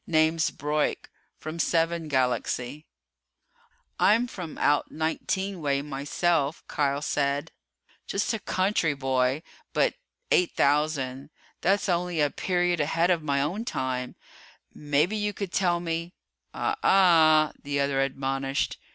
"Name's Broyk, from VII Galaxy." "I'm from out XIX way myself," Kial said. "Just a country boy. But 8000 that's only a period ahead of my own time. Maybe you could tell me ..." "Ah, ah!" the other admonished.